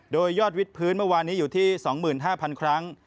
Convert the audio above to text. โดยยอดวิดพื้นเมื่อวานนี้อยู่ที่๒๕๐๐๐ครั้ง